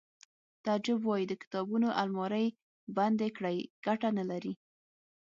تعجب وایی د کتابونو المارۍ بندې کړئ ګټه نلري